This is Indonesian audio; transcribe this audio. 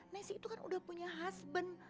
nessy itu kan udah punya husband